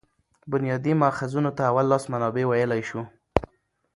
بنیادي ماخذونو ته اول لاس منابع ویلای سو.